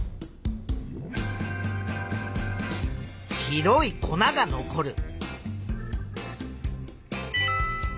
白い粉が残る。